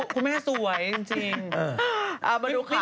คุณแม่สวยจริง